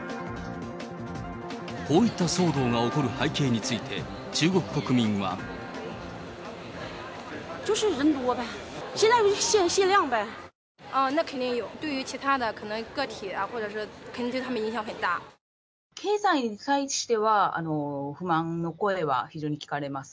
こういった騒動が起こる背景について、中国国民は。経済に対しては不満の声は非常に聞かれます。